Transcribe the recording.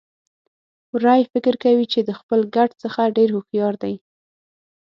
وری فکر کوي چې د خپل ګډ څخه ډېر هوښيار دی.